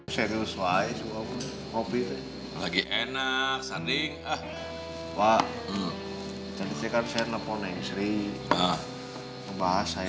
sebelum matre tinggal aku